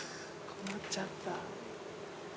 困っちゃった。